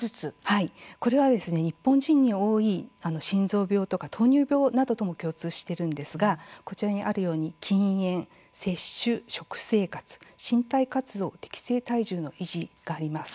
これは日本人に多い心臓病とか糖尿病などとも共通しているんですがこちらにあるように禁煙、節酒、食生活、身体活動適正体重の維持があります。